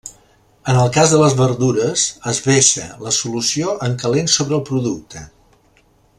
En el cas de les verdures es vessa la solució en calent sobre el producte.